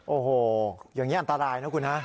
โอ้โหอย่างนี้อันตรายนะคุณฮะ